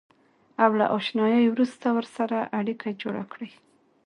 او له اشنایۍ وروسته ورسره اړیکه جوړه کړئ.